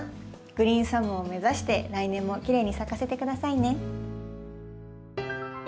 グリーンサムを目指して来年もきれいに咲かせてくださいね。